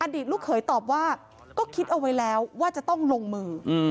ตลูกเขยตอบว่าก็คิดเอาไว้แล้วว่าจะต้องลงมือ